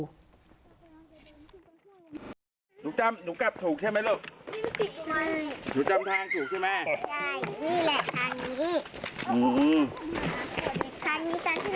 หนูจำกลับถูกใช่มั้ยะลูก